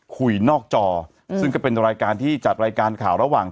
นอกจอซึ่งก็เป็นรายการที่จัดรายการข่าวระหว่าง